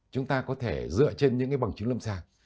chúng ta có thể dựa trên những cái bằng chứng lâm sàng